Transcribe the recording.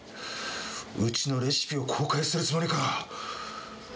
うちのレシピを公開するつもりか！